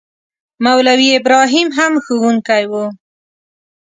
مولوي ابراهیم هم ښوونکی وو.